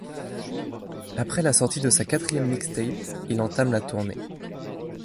Après la sortie de sa quatrième mixtape, ' il entame la tournée '.